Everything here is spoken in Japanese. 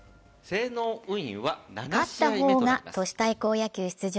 勝った方が都市対抗野球出場。